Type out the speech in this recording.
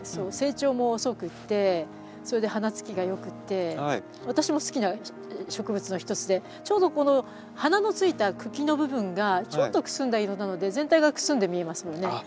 成長も遅くってそれで花つきが良くって私も好きな植物の一つでちょうどこの花のついた茎の部分がちょっとくすんだ色なので全体がくすんで見えますもんね。